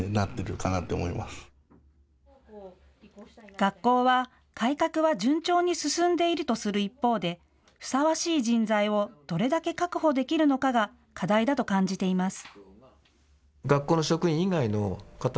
学校は、改革は順調に進んでいるとする一方でふさわしい人材をどれだけ確保できるのかが課題だと感じています。